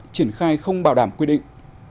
triển khai không bảo đảm quy định